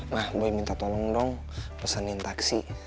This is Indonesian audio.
mah boleh minta tolong dong pesenin taksi